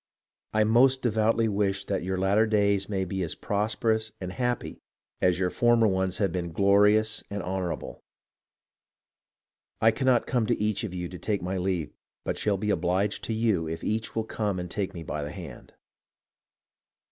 I most devoutly wish that your latter days may be as prosperous and happy as your former ones have been glorious and honour able. I cannot come to each of you to take my leave, but shall be obliged to you if each will come and take me by the hand."